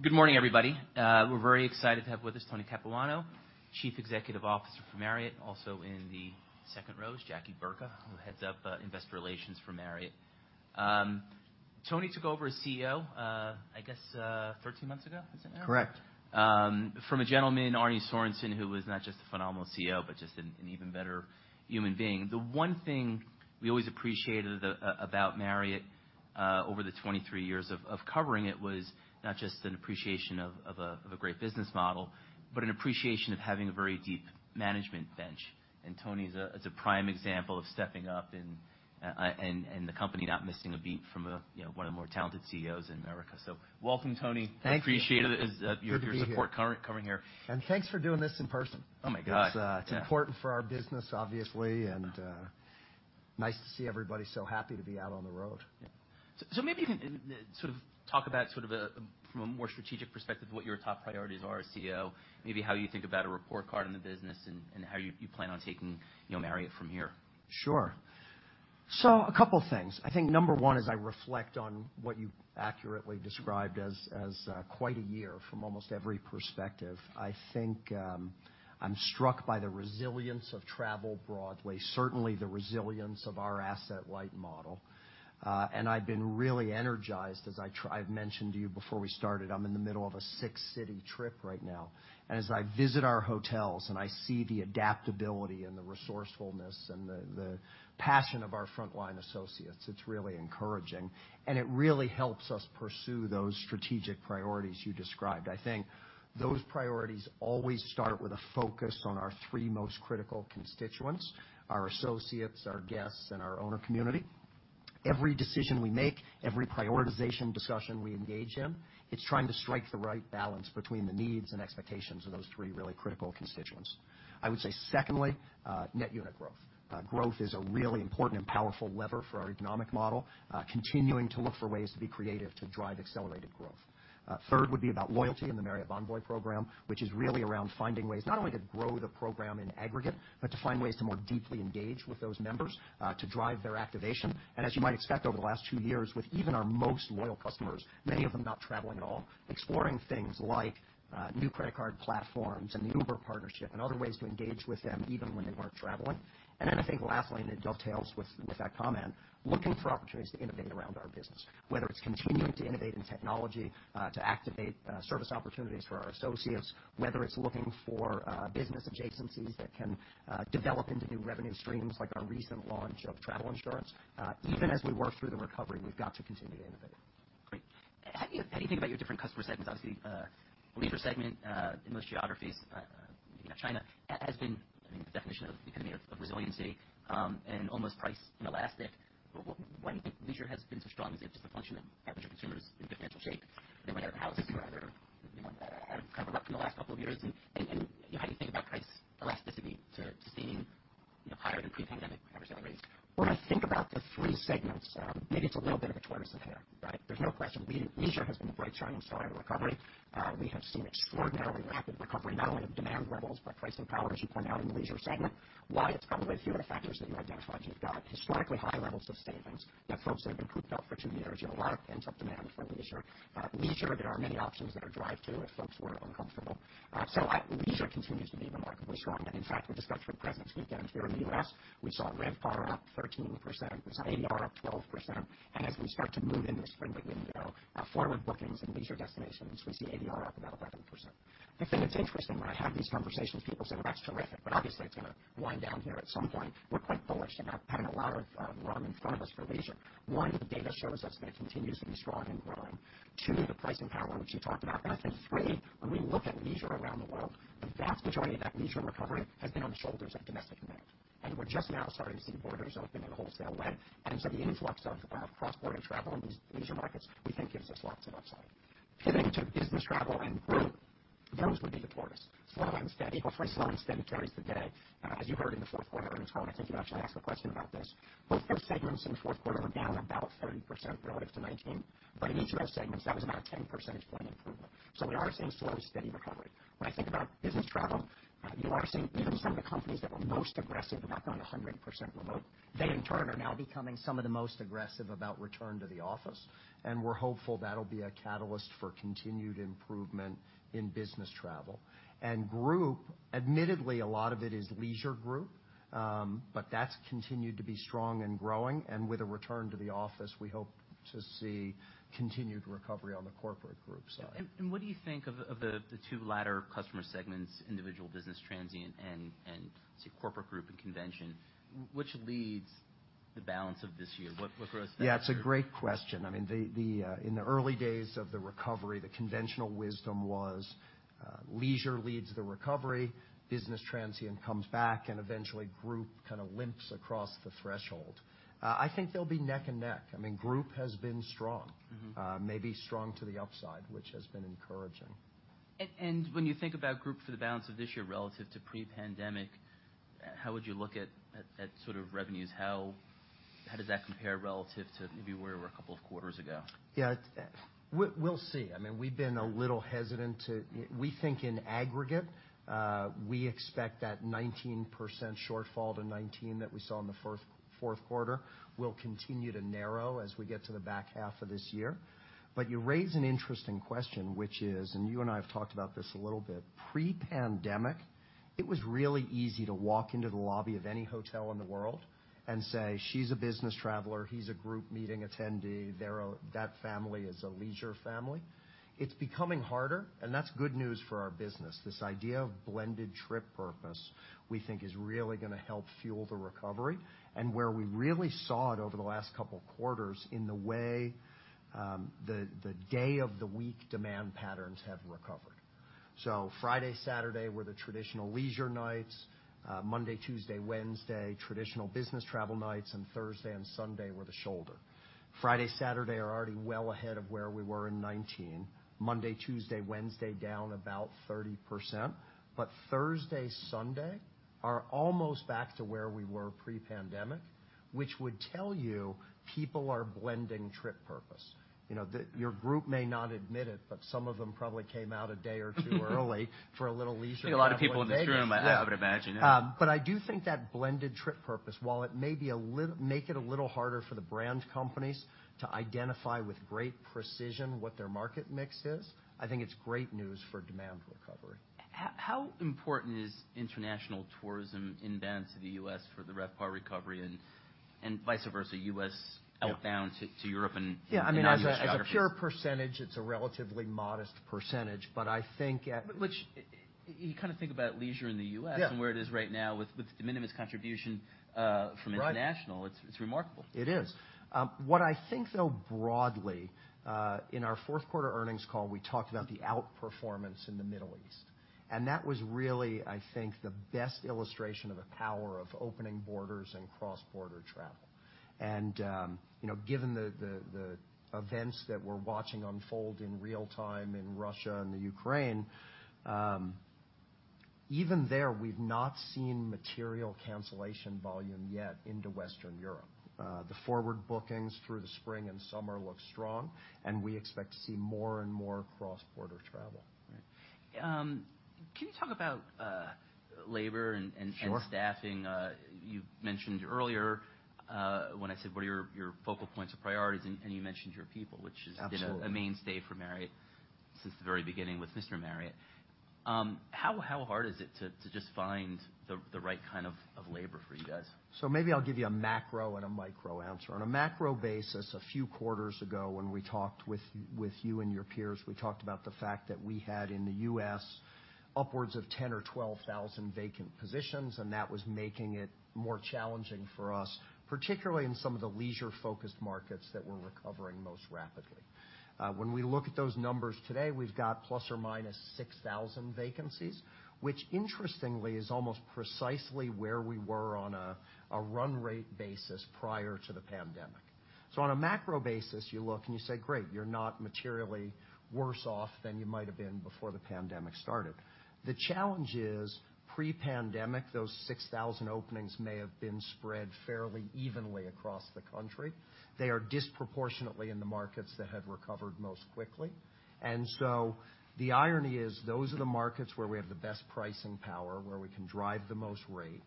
Good morning, everybody. We're very excited to have with us Tony Capuano, Chief Executive Officer for Marriott. Also in the second row is Jackie Burka, who heads up Investor Relations for Marriott. Tony took over as CEO, I guess, 13 months ago. Is that right? Correct. From a gentleman, Arne Sorenson, who was not just a phenomenal CEO, but just an even better human being. The one thing we always appreciated about Marriott over the 23 years of covering it was not just an appreciation of a great business model, but an appreciation of having a very deep management bench. Tony is a prime example of stepping up and the company not missing a beat from a you know one of the more talented CEOs in America. Welcome, Tony. Thank you. Appreciate it. Is your support coming here? Good to be here. Thanks for doing this in person. Oh, my God. Yeah. It's important for our business, obviously. Nice to see everybody so happy to be out on the road. Maybe you can sort of talk about sort of from a more strategic perspective what your top priorities are as CEO, maybe how you think about a report card in the business and how you plan on taking you know Marriott from here. Sure. A couple things. I think number one, as I reflect on what you accurately described as quite a year from almost every perspective. I think I'm struck by the resilience of travel broadly. Certainly the resilience of our asset-light model. I've been really energized. I've mentioned to you before we started, I'm in the middle of a six-city trip right now. As I visit our hotels and I see the adaptability and the resourcefulness and the passion of our frontline associates, it's really encouraging, and it really helps us pursue those strategic priorities you described. I think those priorities always start with a focus on our three most critical constituents, our associates, our guests, and our owner community. Every decision we make, every prioritization discussion we engage in, it's trying to strike the right balance between the needs and expectations of those three really critical constituents. I would say secondly, net unit growth. Growth is a really important and powerful lever for our economic model, continuing to look for ways to be creative to drive accelerated growth. Third would be about loyalty in the Marriott Bonvoy program, which is really around finding ways not only to grow the program in aggregate, but to find ways to more deeply engage with those members, to drive their activation. As you might expect over the last two years, with even our most loyal customers, many of them not traveling at all, exploring things like, new credit card platforms and the Uber partnership and other ways to engage with them even when they aren't traveling. I think lastly, and it dovetails with that comment, looking for opportunities to innovate around our business. Whether it's continuing to innovate in technology to activate service opportunities for our associates, whether it's looking for business adjacencies that can develop into new revenue streams like our recent launch of travel insurance. Even as we work through the recovery, we've got to continue to innovate. Great. How do you think about your different customer segments? Obviously, leisure segment, in most geographies, you know, China has been, I mean, the definition of, you know, of resiliency, and almost price inelastic. Why do you think leisure has been so strong? Is it just a function of average consumers in better financial shape than when their houses were underwater, you know, in the last couple of years? You know, how do you think about price elasticity to seeing, you know, higher than pre-pandemic average sale rates? When I think about the three segments, maybe it's a little bit of a tortoise in here, right? There's no question. Leisure has been the bright shining star in recovery. We have seen extraordinarily rapid recovery not only of demand levels, but pricing power, as you point out in the leisure segment. Why? It's probably a few of the factors that you identified. You've got historically high levels of savings. You have folks that have been cooped up for two years. You have a lot of pent-up demand for leisure. Leisure, there are many options that are drive-to if folks were uncomfortable. Leisure continues to be remarkably strong. In fact, with the structure of presence we've gained here in the U.S., we saw RevPAR up 13%. We saw ADR up 12%. As we start to move into the spring break window, forward bookings and leisure destinations, we see ADR up about 11%. I think it's interesting when I have these conversations, people say, "That's terrific, but obviously it's gonna wind down here at some point." We're quite bullish and having a lot of run in front of us for leisure. One, the data shows us that it continues to be strong and growing. Two, the pricing power, which you talked about. I think three, when we look at leisure around the world, the vast majority of that leisure recovery has been on the shoulders of domestic demand. We're just now starting to see borders open in a wholesale way. The influx of cross-border travel in these leisure markets, we think gives us lots of upside. Pivoting to business travel and group, groups would be the tortoise. Slow and steady. Okay. Well, slow and steady carries the day. As you heard in the fourth quarter earnings call, and I think you actually asked a question about this. Both those segments in the fourth quarter were down about 30% relative to 2019. In each of those segments, that was about a 10 percentage point improvement. We are seeing slow and steady recovery. When I think about business travel, you are seeing even some of the companies that were most aggressive about going 100% remote, they in turn are now becoming some of the most aggressive about return to the office. We're hopeful that'll be a catalyst for continued improvement in business travel. Group, admittedly, a lot of it is leisure group. That's continued to be strong and growing. With a return to the office, we hope to see continued recovery on the corporate group side. What do you think of the two latter customer segments, individual business transient and say, corporate group and convention, which leads the balance of this year? Yeah, it's a great question. I mean, in the early days of the recovery, the conventional wisdom was, leisure leads the recovery, business transient comes back, and eventually group kinda limps across the threshold. I think they'll be neck and neck. I mean, group has been strong. Maybe strong to the upside, which has been encouraging. When you think about group for the balance of this year relative to pre-pandemic, how would you look at sort of revenues? How does that compare relative to maybe where we were a couple of quarters ago? Yeah. We'll see. I mean, we've been a little hesitant to. We think in aggregate, we expect that 19% shortfall to 2019 that we saw in the fourth quarter will continue to narrow as we get to the back half of this year. You raise an interesting question, which is, and you and I have talked about this a little bit. Pre-pandemic, it was really easy to walk into the lobby of any hotel in the world and say, "She's a business traveler, he's a group meeting attendee. They're that family is a leisure family." It's becoming harder, and that's good news for our business. This idea of blended trip purpose, we think is really gonna help fuel the recovery. Where we really saw it over the last couple quarters in the way the day of the week demand patterns have recovered. Friday, Saturday were the traditional leisure nights. Monday, Tuesday, Wednesday, traditional business travel nights, and Thursday and Sunday were the shoulder. Friday, Saturday are already well ahead of where we were in 2019. Monday, Tuesday, Wednesday, down about 30%. Thursday, Sunday are almost back to where we were pre-pandemic, which would tell you people are blending trip purpose. You know, your group may not admit it, but some of them probably came out a day or two early for a little leisure time in Vegas. See a lot of people in this room, I would imagine, yeah. I do think that blended trip purpose, while it may make it a little harder for the brand companies to identify with great precision what their market mix is. I think it's great news for demand recovery. How important is international tourism inbound to the U.S. for the RevPAR recovery and vice versa, U.S. outbound to Europe and other geographies? Yeah. I mean, as a pure percentage, it's a relatively modest percentage. Which, you kinda think about leisure in the U.S. where it is right now with de minimis contribution from international. Right. It's remarkable. It is. What I think, though, broadly, in our fourth quarter earnings call, we talked about the outperformance in the Middle East. That was really, I think, the best illustration of the power of opening borders and cross-border travel. Given the events that we're watching unfold in real time in Russia and the Ukraine, even there, we've not seen material cancellation volume yet into Western Europe. The forward bookings through the spring and summer look strong, and we expect to see more and more cross-border travel. Right. Can you talk about labor and staffing? You mentioned earlier, when I said what are your focal points or priorities, and you mentioned your people, which has been a mainstay for Marriott since the very beginning with Mr. Marriott. How hard is it to just find the right kind of labor for you guys? Maybe I'll give you a macro and a micro answer. On a macro basis, a few quarters ago when we talked with you and your peers, we talked about the fact that we had in the U.S. upwards of 10,000 or 12,000 vacant positions, and that was making it more challenging for us, particularly in some of the leisure-focused markets that were recovering most rapidly. When we look at those numbers today, we've got ±6,000 vacancies, which interestingly, is almost precisely where we were on a run rate basis prior to the pandemic. On a macro basis, you look and you say, "Great, you're not materially worse off than you might've been before the pandemic started." The challenge is pre-pandemic, those 6,000 openings may have been spread fairly evenly across the country. They are disproportionately in the markets that have recovered most quickly. The irony is, those are the markets where we have the best pricing power, where we can drive the most rate.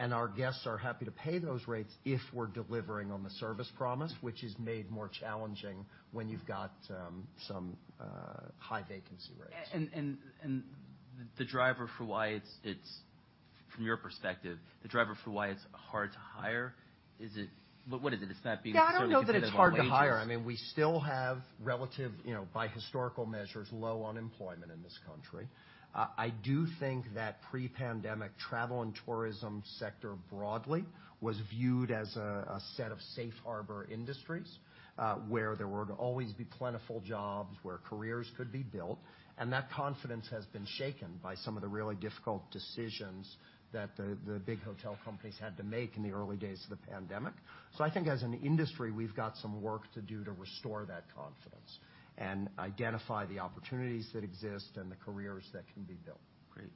Our guests are happy to pay those rates if we're delivering on the service promise, which is made more challenging when you've got some high vacancy rates. From your perspective, the driver for why it's hard to hire, is it? What is it? Is that being solely because of wages? Yeah, I don't know that it's hard to hire. I mean, we still have relative, you know, by historical measures, low unemployment in this country. I do think that pre-pandemic travel and tourism sector broadly was viewed as a set of safe harbor industries, where there were to always be plentiful jobs, where careers could be built, and that confidence has been shaken by some of the really difficult decisions that the big hotel companies had to make in the early days of the pandemic. I think as an industry, we've got some work to do to restore that confidence and identify the opportunities that exist and the careers that can be built. Great.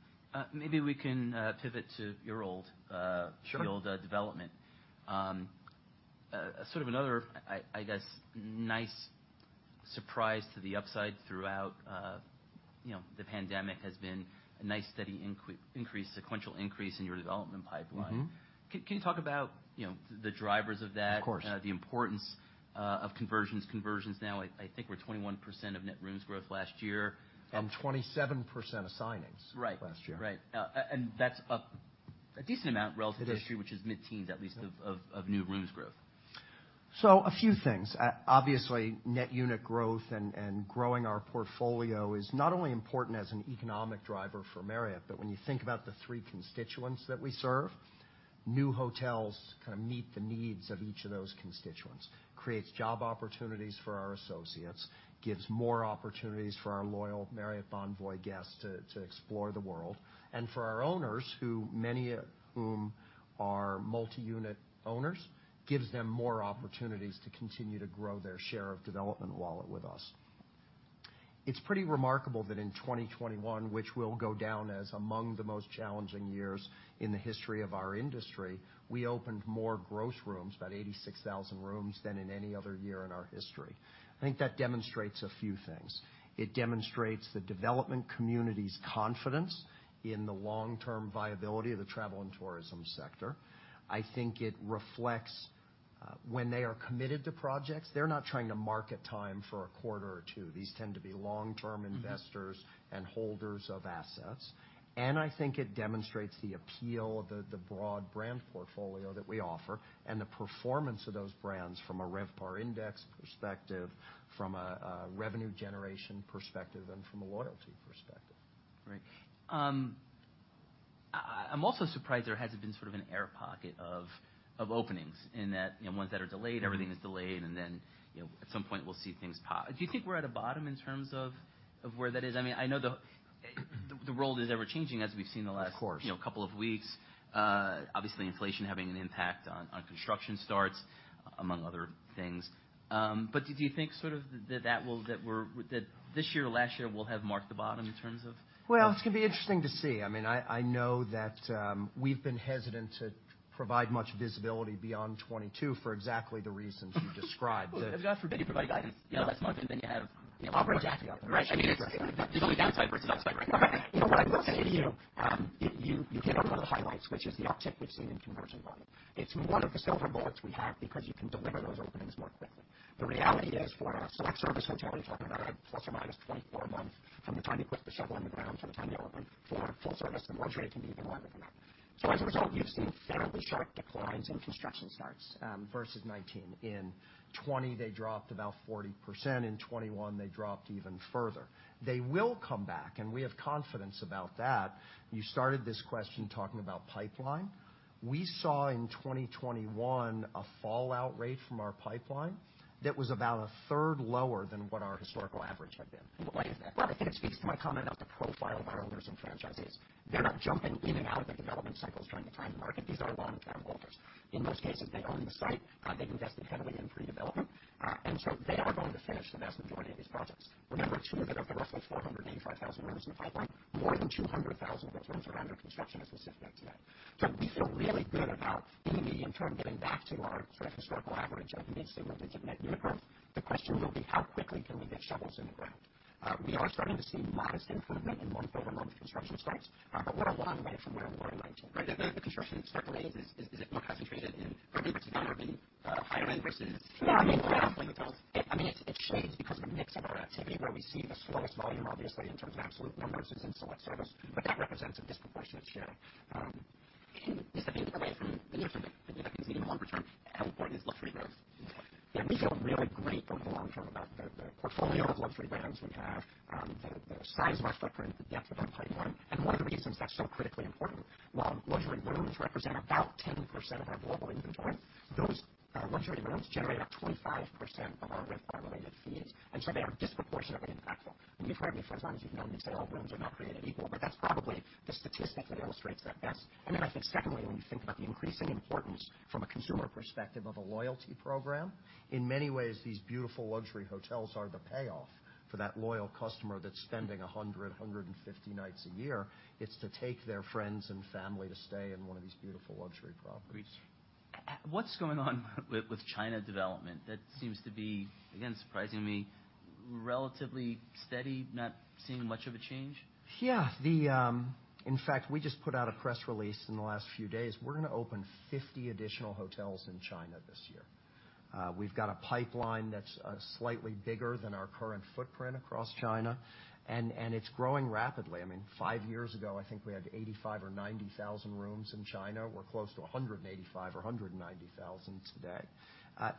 Maybe we can pivot to your old your global development. Sort of another, I guess, nice surprise to the upside throughout, you know, the pandemic has been a nice, steady, sequential increase in your development pipeline. Can you talk about, you know, the drivers of that? Of course. The importance of conversions. Conversions now I think were 21% of net rooms growth last year. 27% of signings last year. Right. That's a decent amount relative to issue, which is mid-teens, at least of new rooms growth. A few things. Obviously, net unit growth and growing our portfolio is not only important as an economic driver for Marriott, but when you think about the three constituents that we serve, new hotels kinda meet the needs of each of those constituents, creates job opportunities for our associates, gives more opportunities for our loyal Marriott Bonvoy guests to explore the world. For our owners, many of whom are multi-unit owners, gives them more opportunities to continue to grow their share of development wallet with us. It’s pretty remarkable that in 2021, which will go down as among the most challenging years in the history of our industry, we opened more gross rooms, about 86,000 rooms, than in any other year in our history. I think that demonstrates a few things. It demonstrates the development community's confidence in the long-term viability of the travel and tourism sector. I think it reflects, when they are committed to projects, they're not trying to market time for a quarter or two. These tend to be long-term investors and holders of assets. I think it demonstrates the appeal of the broad brand portfolio that we offer and the performance of those brands from a RevPAR index perspective, from a revenue generation perspective, and from a loyalty perspective. Right. I'm also surprised there hasn't been sort of an air pocket of openings in that, you know, ones that are delayed, everything is delayed, and then, you know, at some point we'll see things pop. Do you think we're at a bottom in terms of where that is? I mean, I know the world is ever-changing, as we've seen in the last, you know, couple of weeks. Of course. Obviously inflation having an impact on construction starts, among other things. But do you think that this year or last year will have marked the bottom in terms of- Well, it's gonna be interesting to see. I mean, I know that, we've been hesitant to provide much visibility beyond 2022 for exactly the reasons you described. You provide guidance, you know, last month, and then you have, you know. Operating Right. I mean, it's only downside versus upside right now. You know what? I will say to you hit on one of the highlights, which is the uptick we've seen in conversion volume. It's one of the silver bullets we have because you can deliver those openings more quickly. The reality is, for a select service hotel, you're talking about a ±24 months from the time you put the shovel in the ground to the time you open. For full service and luxury, it can be even longer than that. As a result, you've seen fairly sharp declines in construction starts versus 2019. In 2020, they dropped about 40%. In 2021, they dropped even further. They will come back, and we have confidence about that. You started this question talking about pipeline. We saw in 2021 a fallout rate from our pipeline that was about a third lower than what our historical average had been. Why is that? Well, I think it speaks to my comment about the profile of our owners and franchisees. They're not jumping in and out of the development cycles trying to time the market. These are long-term holders. In most cases, they own the site, they've invested heavily in pre-development, and so they are going to finish the vast majority of these projects. Remember too that of the roughly 485,000 rooms in the pipeline, more than 200,000 of those rooms are under construction as we sit here today. We feel really good about being able to, in turn, getting back to our sort of historical average of mid-single digits of net unit growth. The question will be: How quickly can we get shovels in the ground? We are starting to see modest improvement in month-over-month construction starts, but we're a long way from where we were in 2019. Right. The construction start delay, is it more concentrated in perhaps the urban, higher end versus more outlying hotels? I mean, it shifts because of the mix of our activity where we see the slowest volume obviously in terms of absolute numbers is in select service, but that represents a disproportionate share. Can you, stepping away from the near term a bit and looking at things maybe longer term, how important is luxury growth? Yeah. We feel really great over the long term about the portfolio of luxury brands we have, the size of our footprint, the depth of our pipeline, and one of the reasons that's so critically important, while luxury rooms represent about 10% of our global inventory, those luxury rooms generate about 25% of our RevPAR-related fees, and so they are disproportionately impactful. I mean, you've heard me for as long as you've known me say all rooms are not created equal, but that's probably the statistic that illustrates that best. I think secondly, when you think about the increasing importance from a consumer perspective of a loyalty program, in many ways, these beautiful luxury hotels are the payoff for that loyal customer that's spending 150 nights a year. It's to take their friends and family to stay in one of these beautiful luxury properties. What's going on with China development? That seems to be, again, surprising me, relatively steady, not seeing much of a change. Yeah. In fact, we just put out a press release in the last few days. We're gonna open 50 additional hotels in China this year. We've got a pipeline that's slightly bigger than our current footprint across China, and it's growing rapidly. I mean, five years ago, I think we had 85,000 or 90,000 rooms in China. We're close to 185,000 or 190,000 today.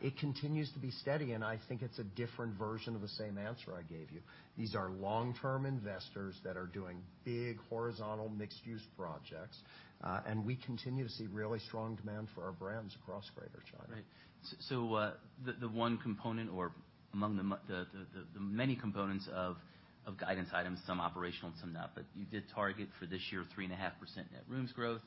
It continues to be steady, and I think it's a different version of the same answer I gave you. These are long-term investors that are doing big horizontal mixed-use projects, and we continue to see really strong demand for our brands across Greater China. Right. The one component or among the many components of guidance items, some operational and some not, but you did target for this year 3.5% net rooms growth.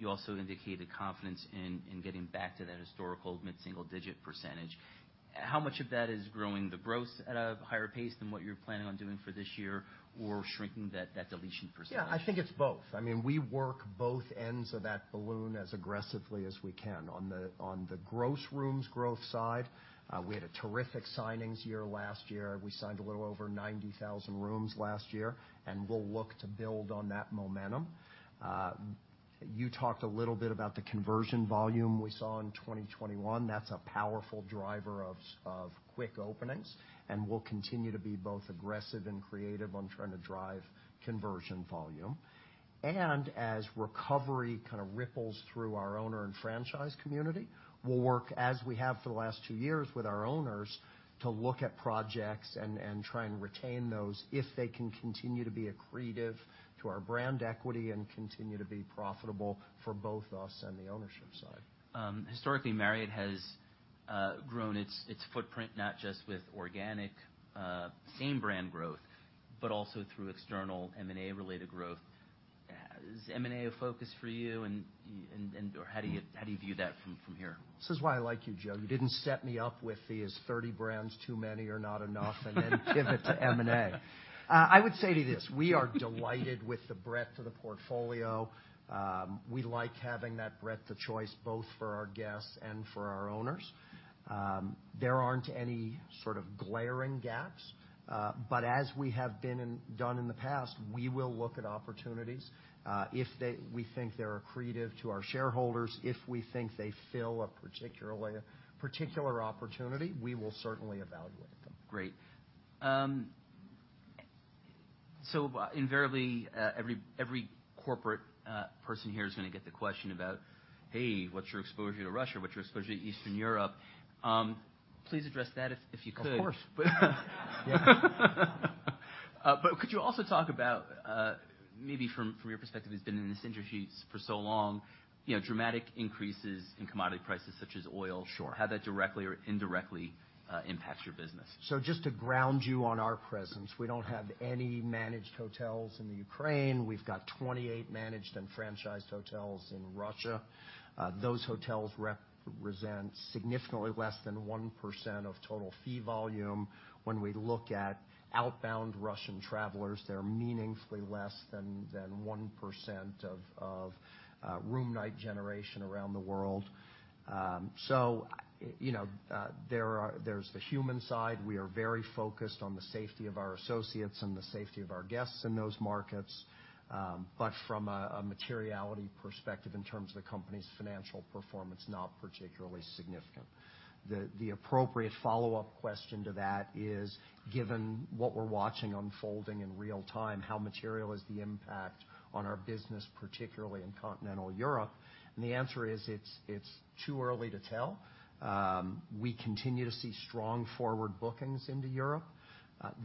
You also indicated confidence in getting back to that historical mid single-digit percentage. How much of that is growing the gross at a higher pace than what you're planning on doing for this year or shrinking that deletion percentage? Yeah. I think it's both. I mean, we work both ends of that balloon as aggressively as we can. On the gross rooms growth side, we had a terrific signings year last year. We signed a little over 90,000 rooms last year, and we'll look to build on that momentum. You talked a little bit about the conversion volume we saw in 2021. That's a powerful driver of quick openings and will continue to be both aggressive and creative on trying to drive conversion volume. As recovery kind of ripples through our owner and franchise community, we'll work as we have for the last two years with our owners to look at projects and try and retain those if they can continue to be accretive to our brand equity and continue to be profitable for both us and the ownership side. Historically, Marriott has grown its footprint not just with organic same brand growth, but also through external M&A-related growth. Is M&A a focus for you or how do you view that from here? This is why I like you, Joe. You didn't set me up with the, is 30 brands too many or not enough? And then give it to M&A. I would say to you this, we are delighted with the breadth of the portfolio. We like having that breadth of choice both for our guests and for our owners. There aren't any sort of glaring gaps. As we have done in the past, we will look at opportunities, if we think they're accretive to our shareholders. If we think they fill a particular opportunity, we will certainly evaluate them. Great. Invariably, every corporate person here is gonna get the question about, "Hey, what's your exposure to Russia? What's your exposure to Eastern Europe?" Please address that if you could. Of course. Yeah. Could you also talk about maybe from your perspective, who's been in this industry for so long, you know, dramatic increases in commodity prices such as oil? Sure. How that directly or indirectly impacts your business. Just to ground you on our presence, we don't have any managed hotels in the Ukraine. We've got 28 managed and franchised hotels in Russia. Those hotels represent significantly less than 1% of total fee volume. When we look at outbound Russian travelers, they're meaningfully less than 1% of room night generation around the world. You know, there's the human side. We are very focused on the safety of our associates and the safety of our guests in those markets. But from a materiality perspective in terms of the company's financial performance, not particularly significant. The appropriate follow-up question to that is, given what we're watching unfolding in real time, how material is the impact on our business, particularly in continental Europe? The answer is it's too early to tell. We continue to see strong forward bookings into Europe.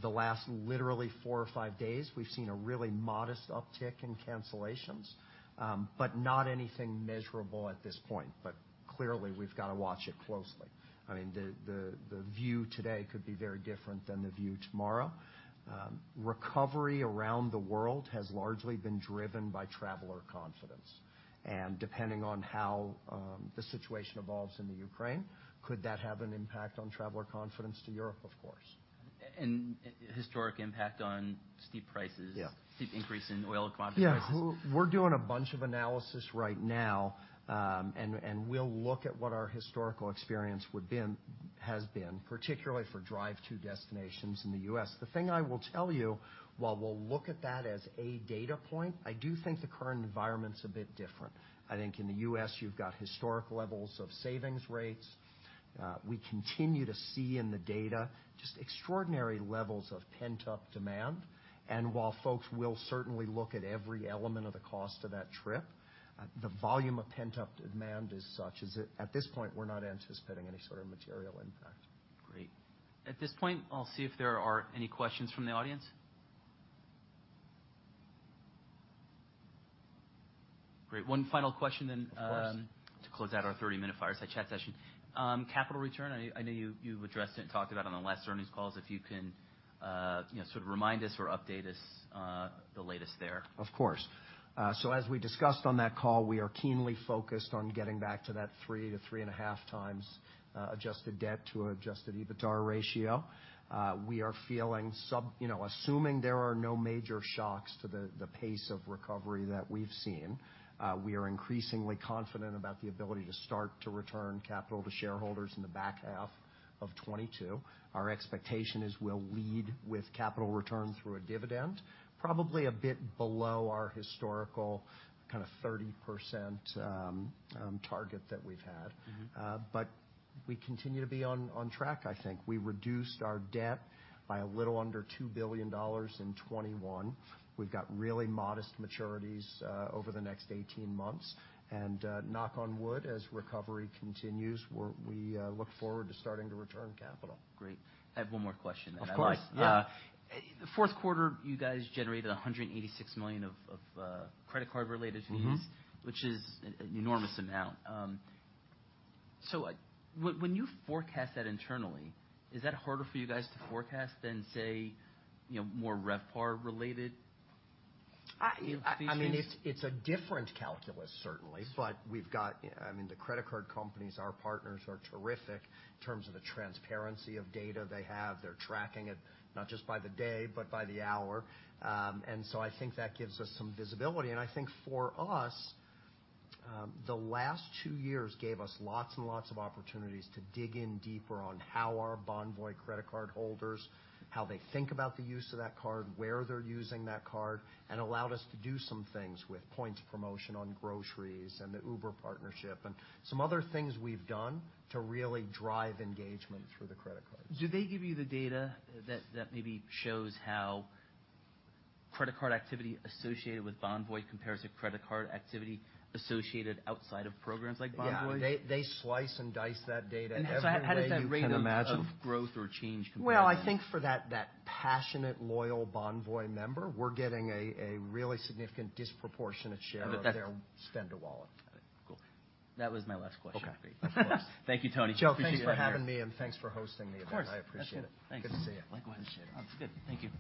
The last literally four or five days, we've seen a really modest uptick in cancellations, but not anything measurable at this point. Clearly, we've got to watch it closely. I mean, the view today could be very different than the view tomorrow. Recovery around the world has largely been driven by traveler confidence, and depending on how the situation evolves in the Ukraine, could that have an impact on traveler confidence to Europe? Of course. Historic impact on steep prices. Steep increase in oil commodity prices. Yeah. We're doing a bunch of analysis right now, and we'll look at what our historical experience has been, particularly for drive to destinations in the U.S. The thing I will tell you, while we'll look at that as a data point, I do think the current environment's a bit different. I think in the U.S. you've got historic levels of savings rates. We continue to see in the data just extraordinary levels of pent-up demand. While folks will certainly look at every element of the cost of that trip, the volume of pent-up demand is such that at this point, we're not anticipating any sort of material impact. Great. At this point, I'll see if there are any questions from the audience. Great. One final question then. Of course. To close out our 30-minute fireside chat session. Capital return. I know you've addressed it and talked about it on the last earnings calls. If you can sort of remind us or update us on the latest there. Of course. So as we discussed on that call, we are keenly focused on getting back to that 3x to 3.5x adjusted debt to adjusted EBITDAR ratio. We are feeling you know, assuming there are no major shocks to the pace of recovery that we've seen, we are increasingly confident about the ability to start to return capital to shareholders in the back half of 2022. Our expectation is we'll lead with capital return through a dividend, probably a bit below our historical kind of 30% target that we've had. We continue to be on track, I think. We reduced our debt by a little under $2 billion in 2021. We've got really modest maturities over the next 18 months. Knock on wood, as recovery continues, we look forward to starting to return capital. Great. I have one more question then. Of course. Yeah. Fourth quarter, you guys generated $186 million of credit card related fees which is an enormous amount. When you forecast that internally, is that harder for you guys to forecast than, say, you know, more RevPAR related? I mean, it's a different calculus certainly, but we've got I mean, the credit card companies, our partners are terrific in terms of the transparency of data they have. They're tracking it not just by the day, but by the hour. I think that gives us some visibility. I think for us, the last two years gave us lots and lots of opportunities to dig in deeper on how our Bonvoy credit card holders, how they think about the use of that card, where they're using that card, and allowed us to do some things with points promotion on groceries and the Uber partnership and some other things we've done to really drive engagement through the credit cards. Do they give you the data that maybe shows how credit card activity associated with Bonvoy compares to credit card activity associated outside of programs like Bonvoy? Yeah. They slice and dice that data every day. How does that trend of growth or change compare then? Well, I think for that passionate, loyal Bonvoy member, we're getting a really significant disproportionate share of their spend a wallet. Got it. Cool. That was my last question. Okay. Thank you, Tony. Joe, thanks for having me, and thanks for hosting the event. Of course. I appreciate it. Absolutely. Thanks. Good to see you. Likewise. Appreciate it. Good. Thank you.